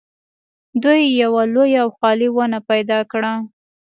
دوی یوه لویه او خالي ونه پیدا کړه